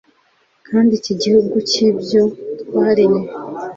kandi iki gihugu cyibyo twaremye